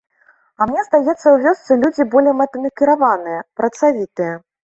А мне здаецца, у вёсцы людзі болей мэтанакіраваныя, працавітыя.